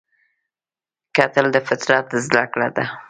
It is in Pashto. کتل د فطرت زده کړه ده